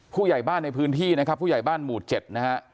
ผู้ใหญ่บ้านในพื้นที่นะครับผู้ใหญ่บ้านหมู่๗นะฮะ